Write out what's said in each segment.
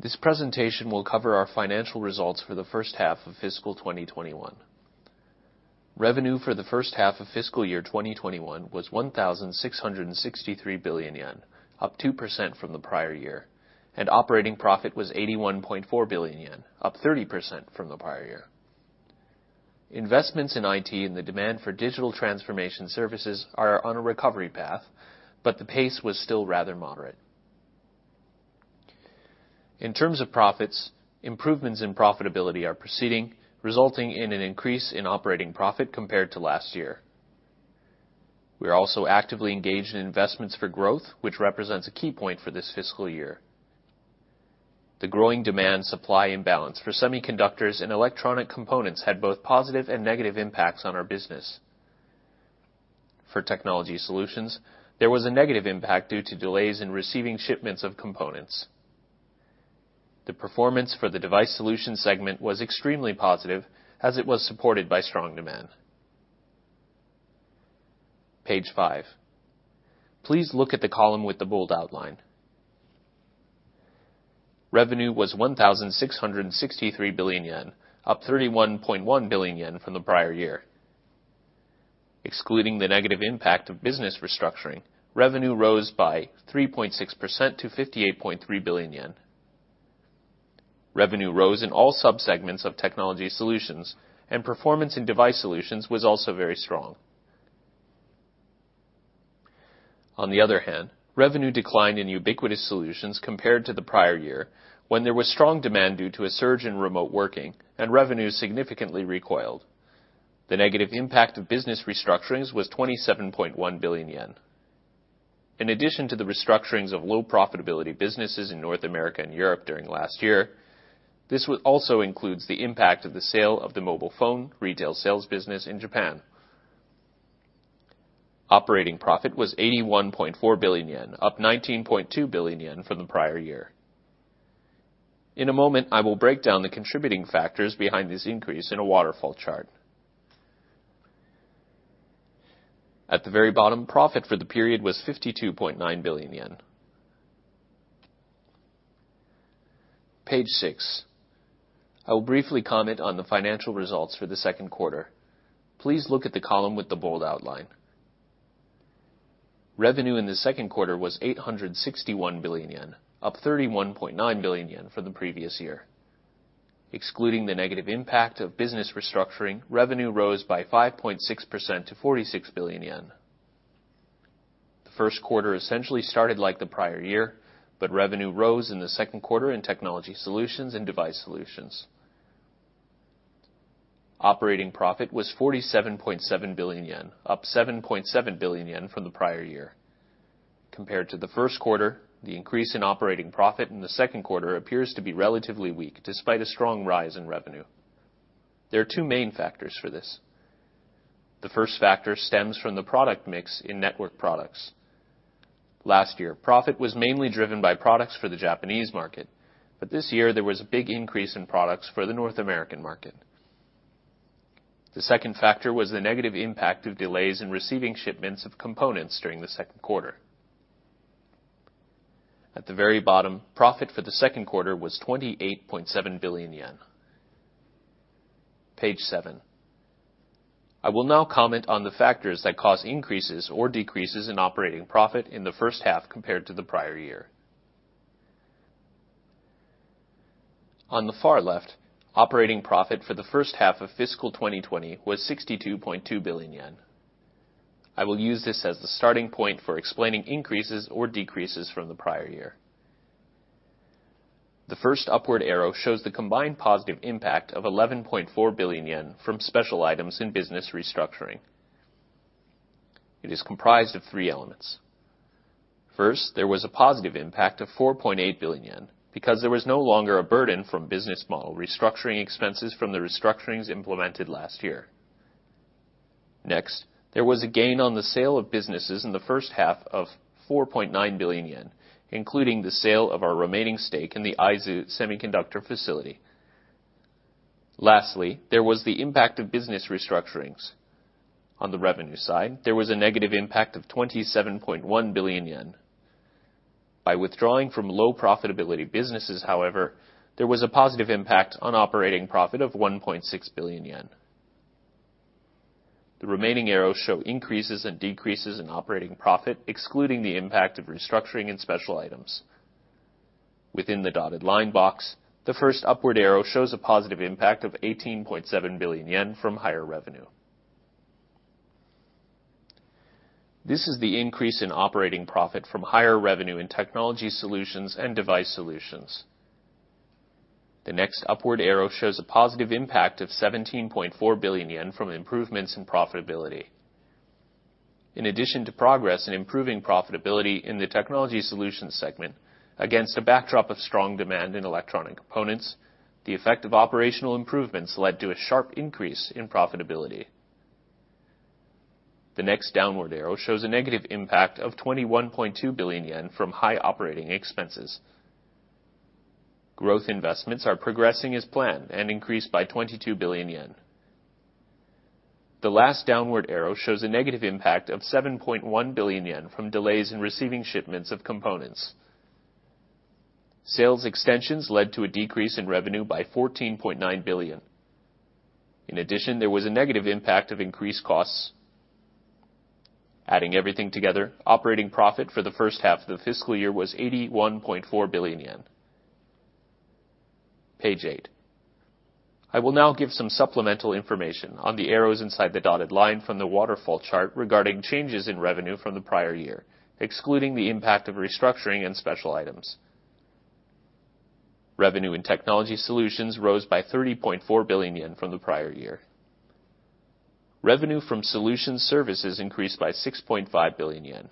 This presentation will cover our financial results for the first half of fiscal 2021. Revenue for the first half of fiscal year 2021 was 1,663 billion yen, up 2% from the prior year, and operating profit was 81.4 billion yen, up 30% from the prior year. Investments in IT and the demand for digital transformation services are on a recovery path, but the pace was still rather moderate. In terms of profits, improvements in profitability are proceeding, resulting in an increase in operating profit compared to last year. We are also actively engaged in investments For Growth, which represents a key point for this fiscal year. The growing demand-supply imbalance for semiconductors and electronic components had both positive and negative impacts on our business. For Technology Solutions, there was a negative impact due to delays in receiving shipments of components. The performance for the Device Solutions segment was extremely positive as it was supported by strong demand. Page five. Please look at the column with the bold outline. Revenue was 1,663 billion yen, up 31.1 billion yen from the prior year. Excluding the negative impact of business restructuring, revenue rose by 3.6% to 58.3 billion yen. Revenue rose in all sub-segments of Technology Solutions and performance in Device Solutions was also very strong. On the other hand, revenue declined in Ubiquitous Solutions compared to the prior year, when there was strong demand due to a surge in remote working and revenue significantly recoiled. The negative impact of business restructurings was 27.1 billion yen. In addition to the restructurings of low profitability businesses in North America and Europe during last year, this also includes the impact of the sale of the mobile phone retail sales business in Japan. Operating profit was 81.4 billion yen, up 19.2 billion yen from the prior year. In a moment, I will break down the contributing factors behind this increase in a waterfall chart. At the very bottom, profit for the period was 52.9 billion yen. Page six. I will briefly comment on the financial results for the second quarter. Please look at the column with the bold outline. Revenue in the second quarter was 861 billion yen, up 31.9 billion yen from the previous year. Excluding the negative impact of business restructuring, revenue rose by 5.6% to 46 billion yen. The first quarter essentially started like the prior year, but revenue rose in the second quarter in Technology Solutions and Device Solutions. Operating profit was 47.7 billion yen, up 7.7 billion yen from the prior year. Compared to the first quarter, the increase in operating profit in the second quarter appears to be relatively weak, despite a strong rise in revenue. There are two main factors for this. The first factor stems from the product mix in network products. Last year, profit was mainly driven by products for the Japanese market, but this year there was a big increase in products for the North American market. The second factor was the negative impact of delays in receiving shipments of components during the second quarter. At the very bottom, profit for the second quarter was 28.7 billion yen. Page seven. I will now comment on the factors that cause increases or decreases in operating profit in the first half compared to the prior year. On the far left, operating profit for the first half of fiscal 2020 was 62.2 billion yen. I will use this as the starting point for explaining increases or decreases from the prior year. The first upward arrow shows the combined positive impact of 11.4 billion yen from special items in business restructuring. It is comprised of three elements. First, there was a positive impact of 4.8 billion yen because there was no longer a burden from business model restructuring expenses from the restructurings implemented last year. Next, there was a gain on the sale of businesses in the first half of 4.9 billion yen, including the sale of our remaining stake in the Aizu semiconductor facility. Lastly, there was the impact of business restructurings. On the revenue side, there was a negative impact of 27.1 billion yen. By withdrawing from low profitability businesses, however, there was a positive impact on operating profit of 1.6 billion yen. The remaining arrows show increases and decreases in operating profit, excluding the impact of restructuring and special items. Within the dotted line box, the first upward arrow shows a positive impact of 18.7 billion yen from higher revenue. This is the increase in operating profit from higher revenue in Technology Solutions and Device Solutions. The next upward arrow shows a positive impact of 17.4 billion yen from improvements in profitability. In addition to progress in improving profitability in the Technology Solutions segment against a backdrop of strong demand in electronic components, the effect of operational improvements led to a sharp increase in profitability. The next downward arrow shows a negative impact of 21.2 billion yen from high operating expenses. Growth investments are progressing as planned and increased by 22 billion yen. The last downward arrow shows a negative impact of 7.1 billion yen from delays in receiving shipments of components. Sales extensions led to a decrease in revenue by 14.9 billion. In addition, there was a negative impact of increased costs. Adding everything together, operating profit for the first half of the fiscal year was 81.4 billion yen. Page 8. I will now give some supplemental information on the arrows inside the dotted line from the waterfall chart regarding changes in revenue from the prior year, excluding the impact of restructuring and special items. Revenue in Technology Solutions rose by 30.4 billion yen from the prior year. Revenue from Solutions/Services increased by 6.5 billion yen.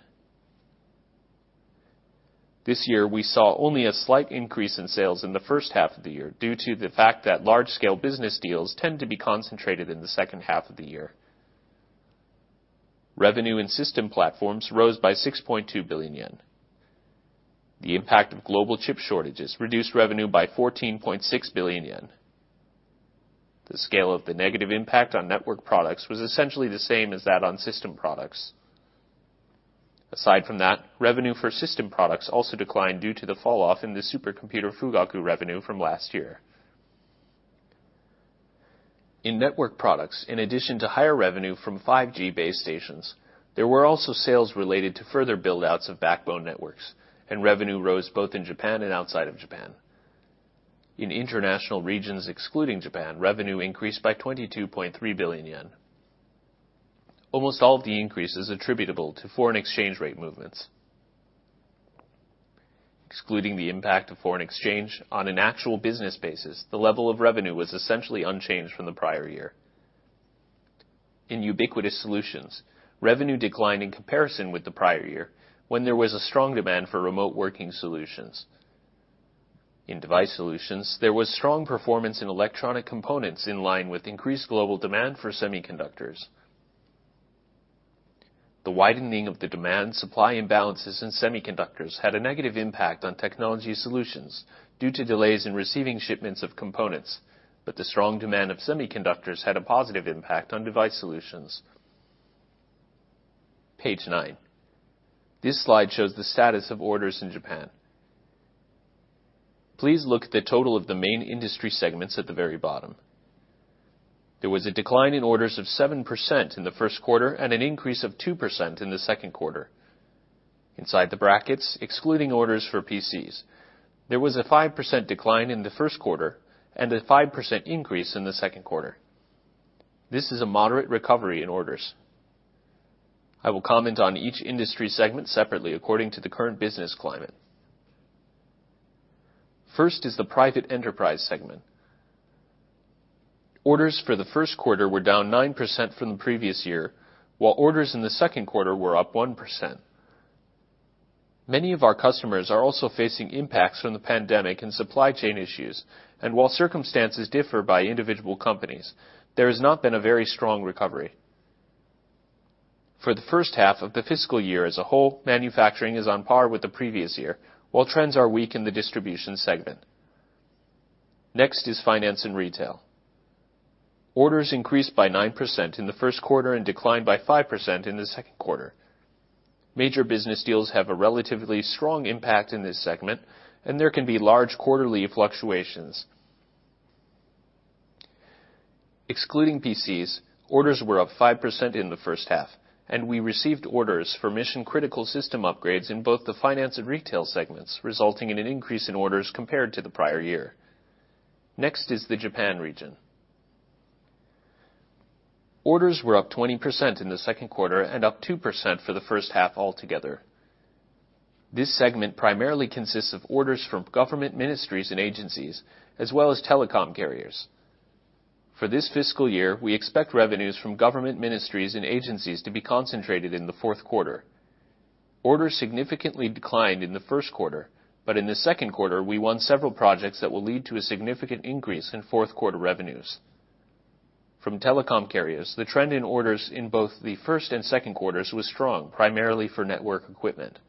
This year, we saw only a slight increase in sales in the first half of the year due to the fact that large-scale business deals tend to be concentrated in the second half of the year. Revenue in System Platforms rose by 6.2 billion yen. The impact of global chip shortages reduced revenue by 14.6 billion yen. The scale of the negative impact on network products was essentially the same as that on system products. Aside from that, revenue for system products also declined due to the falloff in the supercomputer Fugaku revenue from last year. In network products, in addition to higher revenue from 5G base stations, there were also sales related to further build outs of backbone networks, and revenue rose both in Japan and outside of Japan. In international regions excluding Japan, revenue increased by 22.3 billion yen. Almost all of the increase is attributable to foreign exchange rate movements. Excluding the impact of foreign exchange on an actual business basis, the level of revenue was essentially unchanged from the prior year. In Ubiquitous Solutions, revenue declined in comparison with the prior year when there was a strong demand for remote working solutions. In Device Solutions, there was strong performance in electronic components in line with increased global demand for semiconductors. The widening of the demand-supply imbalances in semiconductors had a negative impact on Technology Solutions due to delays in receiving shipments of components, but the strong demand of semiconductors had a positive impact on Device Solutions. Page 9. This slide shows the status of orders in Japan. Please look at the total of the main industry segments at the very bottom. There was a decline in orders of 7% in the first quarter and an increase of 2% in the second quarter. Inside the brackets, excluding orders for PCs, there was a 5% decline in the first quarter and a 5% increase in the second quarter. This is a moderate recovery in orders. I will comment on each industry segment separately according to the current business climate. First is the private enterprise segment. Orders for the first quarter were down 9% from the previous year, while orders in the second quarter were up 1%. Many of our customers are also facing impacts from the pandemic and supply chain issues, and while circumstances differ by individual companies, there has not been a very strong recovery. For the first half of the fiscal year as a whole, manufacturing is on par with the previous year, while trends are weak in the distribution segment. Next is finance and retail. Orders increased by 9% in the first quarter and declined by 5% in the second quarter. Major business deals have a relatively strong impact in this segment, and there can be large quarterly fluctuations. Excluding PCs, orders were up 5% in the first half, and we received orders for mission-critical system upgrades in both the finance and retail segments, resulting in an increase in orders compared to the prior year. Next is the Japan region. Orders were up 20% in the second quarter and up 2% for the first half altogether. This segment primarily consists of orders from government ministries and agencies, as well as telecom carriers. For this fiscal year, we expect revenues from government ministries and agencies to be concentrated in the fourth quarter. Orders significantly declined in the first quarter, but in the second quarter, we won several projects that will lead to a significant increase in fourth quarter revenues. From telecom carriers, the trend in orders in both the first and second quarters was strong, primarily for network equipment.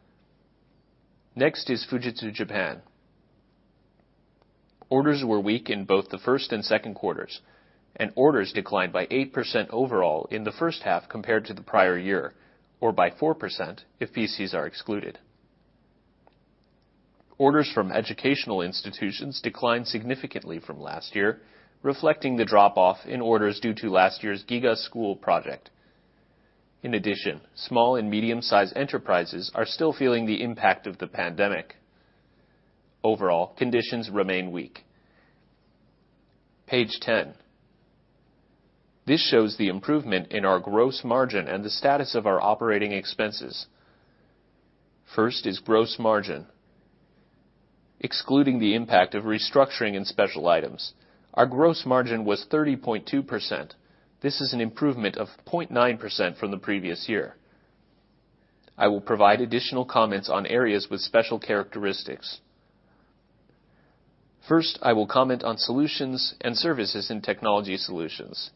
Next is Fujitsu Japan. Orders were weak in both the first and second quarters, and orders declined by 8% overall in the first half compared to the prior year, or by 4% if PCs are excluded. Orders from educational institutions declined significantly from last year, reflecting the drop-off in orders due to last year's GIGA School project. In addition, small and medium-sized enterprises are still feeling the impact of the pandemic. Overall, conditions remain weak. Page 10. This shows the improvement in our gross margin and the status of our operating expenses. First is gross margin. Excluding the impact of restructuring and special items, our gross margin was 30.2%. This is an improvement of 0.9% from the previous year. I will provide additional comments on areas with special characteristics. First, I will comment on Solutions and Services in Technology Solutions.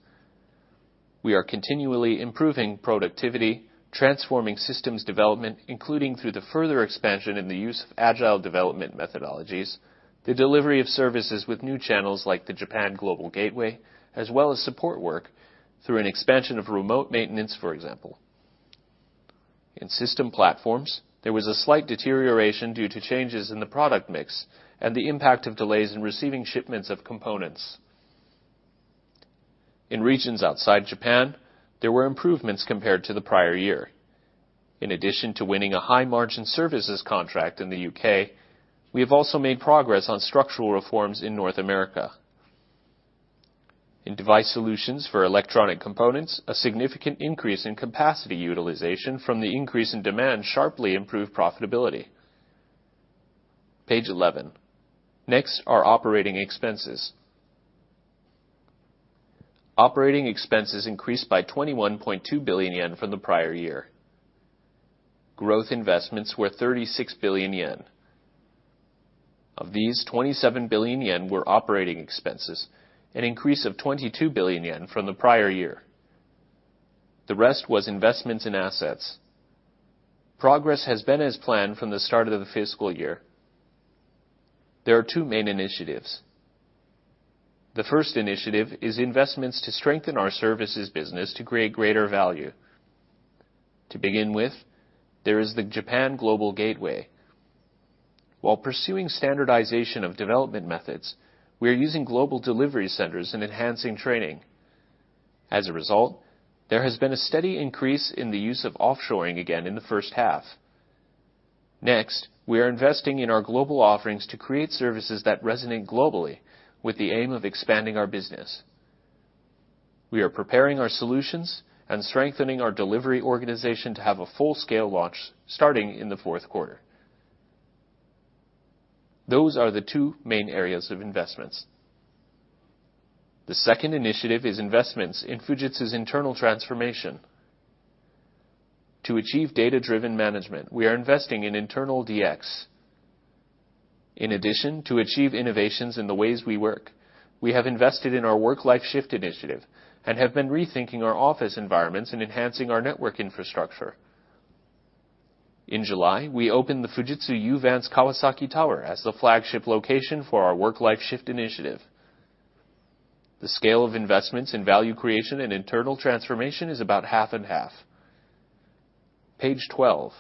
We are continually improving productivity, transforming systems development, including through the further expansion in the use of agile development methodologies, the delivery of services with new channels like the Japan Global Gateway, as well as support work through an expansion of remote maintenance, for example. In System Platforms, there was a slight deterioration due to changes in the product mix and the impact of delays in receiving shipments of components. In regions outside Japan, there were improvements compared to the prior year. In addition to winning a high margin services contract in the U.K., we have also made progress on structural reforms in North America. In Device Solutions for electronic components, a significant increase in capacity utilization from the increase in demand sharply improved profitability. Page 11. Next are operating expenses. Operating expenses increased by 21.2 billion yen from the prior year. Growth investments were 36 billion yen. Of these, 27 billion yen were operating expenses, an increase of 22 billion yen from the prior year. The rest was investments in assets. Progress has been as planned from the start of the fiscal year. There are two main initiatives. The first initiative is investments to strengthen our services business to create greater value. To begin with, there is the Japan Global Gateway. While pursuing standardization of development methods, we are using global delivery centers and enhancing training. As a result, there has been a steady increase in the use of offshoring again in the first half. We are investing in our global offerings to create services that resonate globally with the aim of expanding our business. We are preparing our solutions and strengthening our delivery organization to have a full-scale launch starting in the fourth quarter. Those are the two main areas of investments. The second initiative is investments in Fujitsu's internal transformation. To achieve data-driven management, we are investing in internal DX. In addition, to achieve innovations in the ways we work, we have invested in our Work Life Shift initiative and have been rethinking our office environments and enhancing our network infrastructure. In July, we opened the Fujitsu Uvance Kawasaki Tower as the flagship location for our Work Life Shift initiative. The scale of investments in value creation and internal transformation is about half and half. Page 12.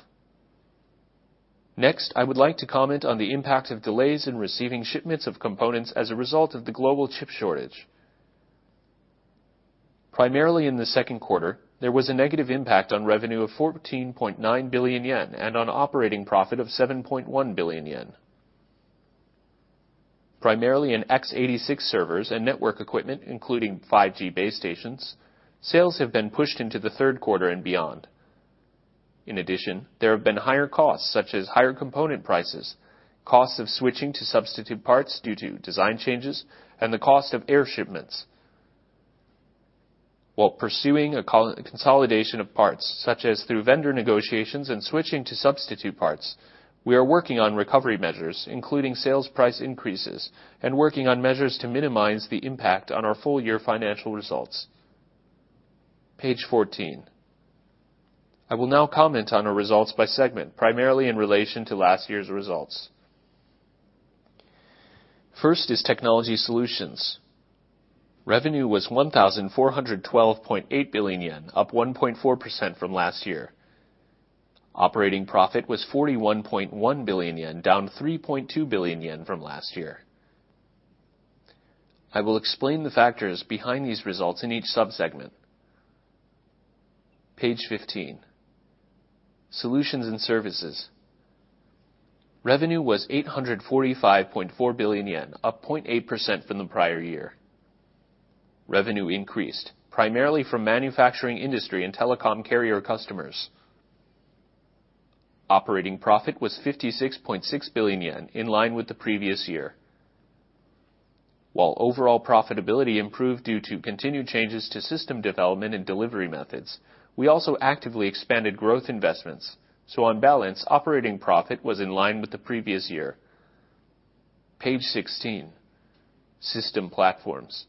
I would like to comment on the impact of delays in receiving shipments of components as a result of the global chip shortage. Primarily in the second quarter, there was a negative impact on revenue of 14.9 billion yen and on operating profit of 7.1 billion yen. Primarily in x86 servers and network equipment, including 5G base stations, sales have been pushed into the third quarter and beyond. In addition, there have been higher costs such as higher component prices, costs of switching to substitute parts due to design changes, and the cost of air shipments. While pursuing a consolidation of parts, such as through vendor negotiations and switching to substitute parts, we are working on recovery measures, including sales price increases and working on measures to minimize the impact on our full year financial results. Page 14. I will now comment on our results by segment, primarily in relation to last year's results. First is Technology Solutions. Revenue was 1,412.8 billion yen, up 1.4% from last year. Operating profit was 41.1 billion yen, down 3.2 billion yen from last year. I will explain the factors behind these results in each sub-segment. Page 15. Solutions/Services. Revenue was 845.4 billion yen, up 0.8% from the prior year. Revenue increased primarily from manufacturing industry and telecom carrier customers. Operating profit was 56.6 billion yen, in line with the previous year. While overall profitability improved due to continued changes to system development and delivery methods, we also actively expanded growth investments. On balance, operating profit was in line with the previous year. Page 16. System Platforms.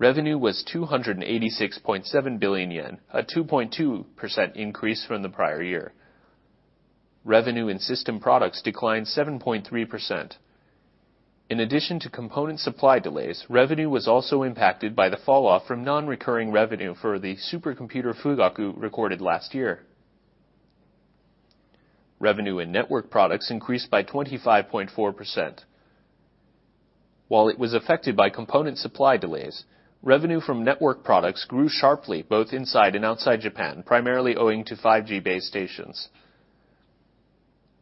Revenue was 286.7 billion yen, a 2.2% increase from the prior year. Revenue in system products declined 7.3%. In addition to component supply delays, revenue was also impacted by the falloff from non-recurring revenue for the supercomputer Fugaku recorded last year. Revenue in network products increased by 25.4%. While it was affected by component supply delays, revenue from network products grew sharply both inside and outside Japan, primarily owing to 5G base stations.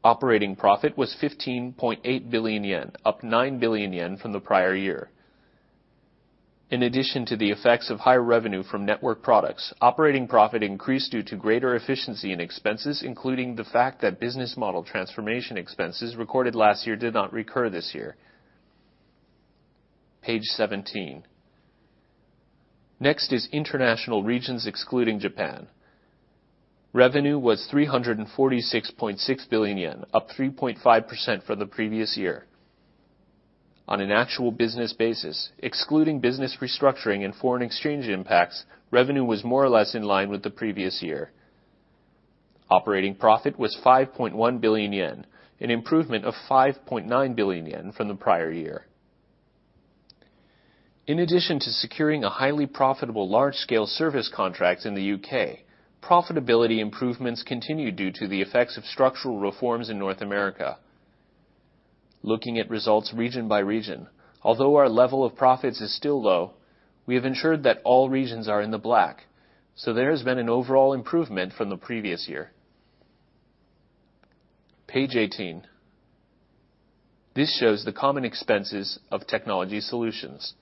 Operating profit was 15.8 billion yen, up 9 billion yen from the prior year. In addition to the effects of higher revenue from network products, operating profit increased due to greater efficiency in expenses, including the fact that business model transformation expenses recorded last year did not recur this year. Page 17. Next is international regions excluding Japan. Revenue was 346.6 billion yen, up 3.5% from the previous year. On an actual business basis, excluding business restructuring and foreign exchange impacts, revenue was more or less in line with the previous year. Operating profit was 5.1 billion yen, an improvement of 5.9 billion yen from the prior year. In addition to securing a highly profitable large-scale service contract in the U.K., profitability improvements continue due to the effects of structural reforms in North America. Looking at results region by region, although our level of profits is still low, we have ensured that all regions are in the black, there has been an overall improvement from the previous year. Page 18. This shows the common expenses of Technology Solutions.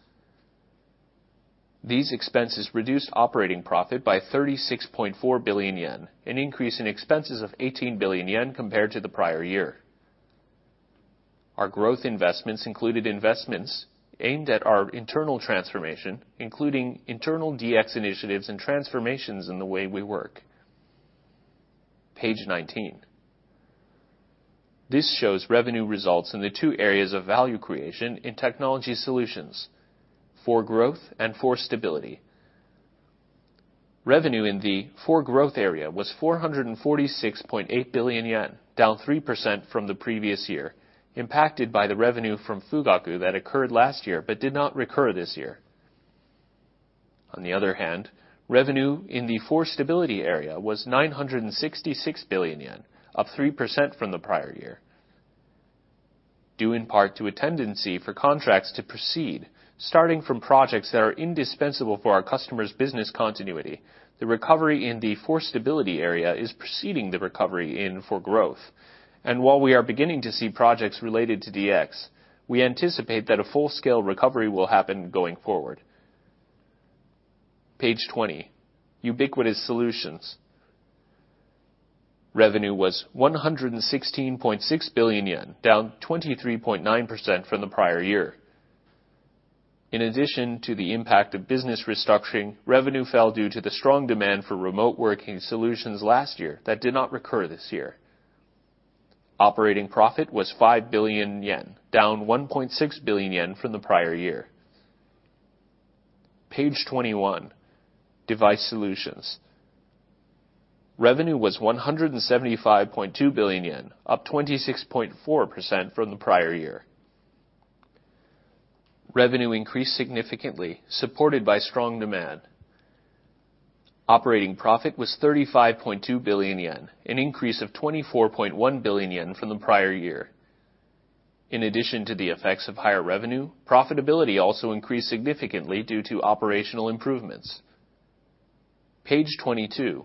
These expenses reduced operating profit by 36.4 billion yen, an increase in expenses of 18 billion yen compared to the prior year. Our growth investments included investments aimed at our internal transformation, including internal DX initiatives and transformations in the way we work. Page 19. This shows revenue results in the two areas of value creation in Technology Solutions: For Growth and For Stability. Revenue in the For Growth area was 446.8 billion yen, down 3% from the previous year, impacted by the revenue from Fugaku that occurred last year but did not recur this year. On the other hand, revenue in the For Stability area was 966 billion yen, up 3% from the prior year. Due in part to a tendency for contracts to proceed, starting from projects that are indispensable for our customers' business continuity, the recovery in the For Stability area is preceding the recovery in For Growth. While we are beginning to see projects related to DX, we anticipate that a full-scale recovery will happen going forward. Page 20. Ubiquitous Solutions. Revenue was 116.6 billion yen, down 23.9% from the prior year. In addition to the impact of business restructuring, revenue fell due to the strong demand for remote working solutions last year that did not recur this year. Operating profit was 5 billion yen, down 1.6 billion yen from the prior year. Page 21. Device Solutions. Revenue was 175.2 billion yen, up 26.4% from the prior year. Revenue increased significantly, supported by strong demand. Operating profit was 35.2 billion yen, an increase of 24.1 billion yen from the prior year. In addition to the effects of higher revenue, profitability also increased significantly due to operational improvements. Page 22.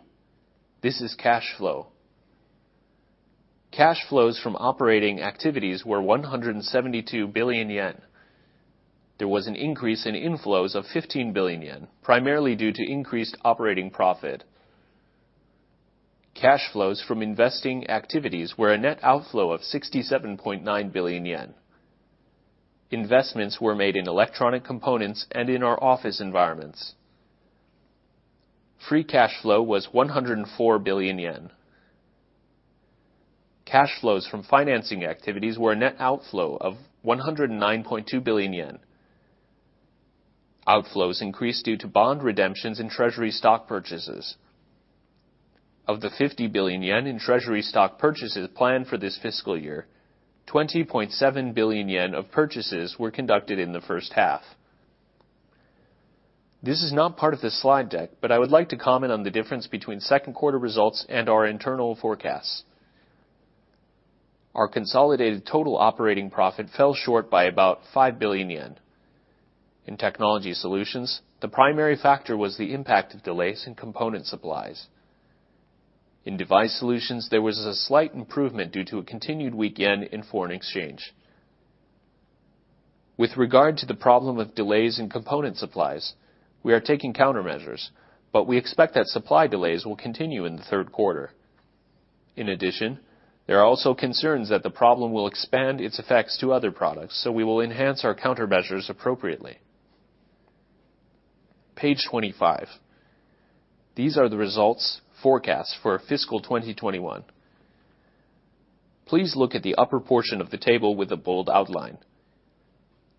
This is cash flow. Cash flows from operating activities were 172 billion yen. There was an increase in inflows of 15 billion yen, primarily due to increased operating profit. Cash flows from investing activities were a net outflow of 67.9 billion yen. Investments were made in electronic components and in our office environments. Free cash flow was 104 billion yen. Cash flows from financing activities were a net outflow of 109.2 billion yen. Outflows increased due to bond redemptions and treasury stock purchases. Of the 50 billion yen in treasury stock purchases planned for this fiscal year, 20.7 billion yen of purchases were conducted in the first half. This is not part of the slide deck, I would like to comment on the difference between second quarter results and our internal forecasts. Our consolidated total operating profit fell short by about 5 billion yen. In Technology Solutions, the primary factor was the impact of delays in component supplies. In Device Solutions, there was a slight improvement due to a continued weak yen in foreign exchange. With regard to the problem of delays in component supplies, we are taking countermeasures, we expect that supply delays will continue in the third quarter. In addition, there are also concerns that the problem will expand its effects to other products, so we will enhance our countermeasures appropriately. Page 25. These are the results forecast for fiscal 2021. Please look at the upper portion of the table with the bold outline.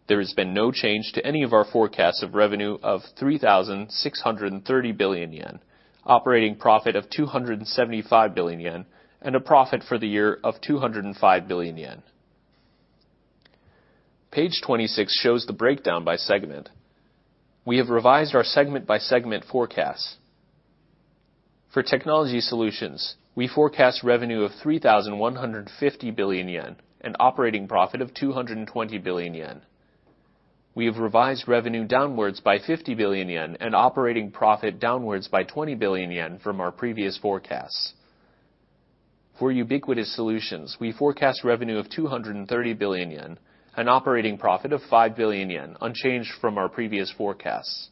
There has been no change to any of our forecasts of revenue of 3,630 billion yen, operating profit of 275 billion yen, and a profit for the year of 205 billion yen. Page 26 shows the breakdown by segment. We have revised our segment-by-segment forecasts. For Technology Solutions, we forecast revenue of 3,150 billion yen and operating profit of 220 billion yen. We have revised revenue downwards by 50 billion yen and operating profit downwards by 20 billion yen from our previous forecasts. For Ubiquitous Solutions, we forecast revenue of 230 billion yen, an operating profit of 5 billion yen, unchanged from our previous forecasts.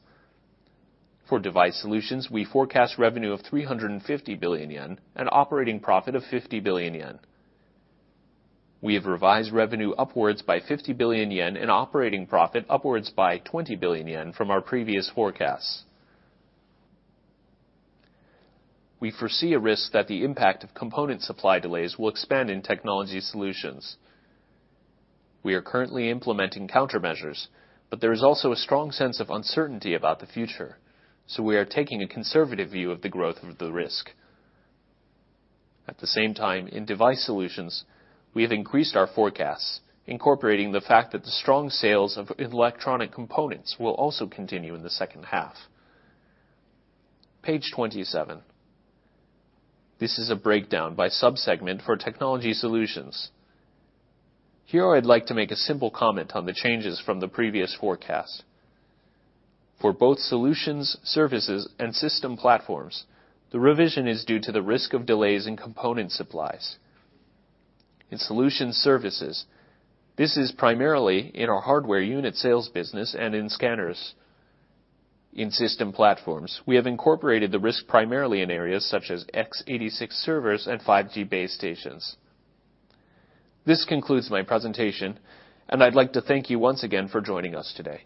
For Device Solutions, we forecast revenue of 350 billion yen and operating profit of 50 billion yen. We have revised revenue upwards by 50 billion yen and operating profit upwards by 20 billion yen from our previous forecasts. We foresee a risk that the impact of component supply delays will expand in Technology Solutions. We are currently implementing countermeasures, there is also a strong sense of uncertainty about the future, we are taking a conservative view of the growth of the risk. At the same time, in Device Solutions, we have increased our forecasts, incorporating the fact that the strong sales of electronic components will also continue in the second half. Page 27. This is a breakdown by sub-segment for Technology Solutions. Here, I'd like to make a simple comment on the changes from the previous forecast. For both Solutions Services and System Platforms, the revision is due to the risk of delays in component supplies. In Solutions Services, this is primarily in our hardware unit sales business and in scanners. In System Platforms, we have incorporated the risk primarily in areas such as x86 servers and 5G base stations. This concludes my presentation, and I'd like to thank you once again for joining us today.